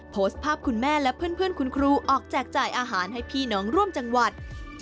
โพสต์ภาพคุณแม่และเพื่อนคุณครูออกแจกจ่ายอาหารให้พี่น้องร่วมจังหวัด